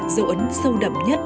dấu ấn sâu đậm nhất